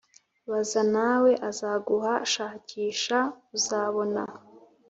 baza, na we azaguha; shakisha, uzabona.